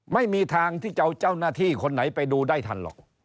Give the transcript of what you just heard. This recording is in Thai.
ไม่มีทางที่จะเอาเจ้าหน้าที่คนไหนไปดูได้ทันหรอก